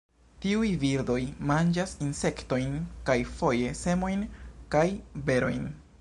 Tiuj birdoj manĝas insektojn kaj foje semojn kaj berojn.